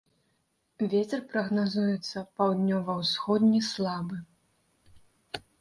Вецер прагназуецца паўднёва-ўсходні слабы.